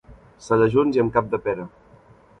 Cellajunts i amb cap de pera.